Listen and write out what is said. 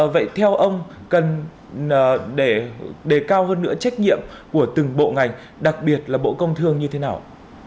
vậy theo ông cần để đề cao hơn nữa trách nhiệm của từng bộ ngành đặc biệt là bộ công thương như thế nào